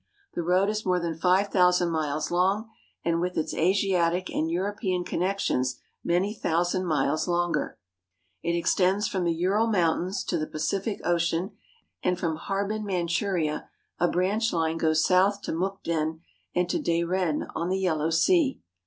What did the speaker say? The road is more than five thousand miles long, and with its Asiatic and European connections many thousand miles longer. It extends from the Ural Moun tains to the Pacific Ocean, and from Harbin, Manchuria, a Russian Emigrants. branch line goes south to Mukden and to Dairen on the Yellow Sea.